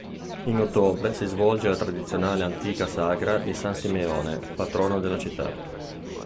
In ottobre si svolge la tradizionale antica sagra di san Simeone, patrono della città.